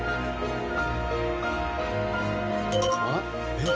えっ？